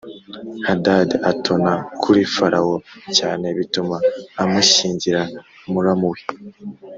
Hadadi atona kuri Farawo cyane bituma amushyingira muramu we